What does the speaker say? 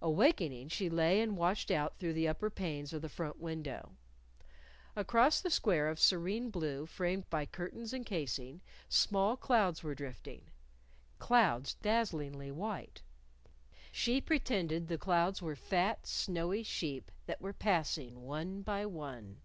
Awakening, she lay and watched out through the upper panes of the front window. Across the square of serene blue framed by curtains and casing, small clouds were drifting clouds dazzlingly white. She pretended the clouds were fat, snowy sheep that were passing one by one.